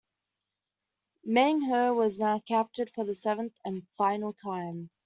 Meng Huo was now captured for the seventh and final time.